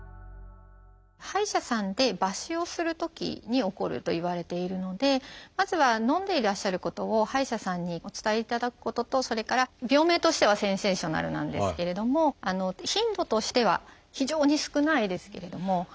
歯医者さんで抜歯をするときに起こるといわれているのでまずはのんでいらっしゃることを歯医者さんにお伝えいただくこととそれから病名としてはセンセーショナルなんですけれども頻度としては非常に少ないですけれども。